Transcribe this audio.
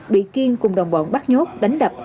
bị kiên cùng đồng bọn bắt nhốt đánh đập